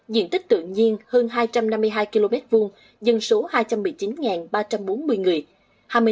diện tích tự nhiên hơn hai trăm năm mươi hai km hai dân số hai trăm một mươi chín ba trăm bốn mươi người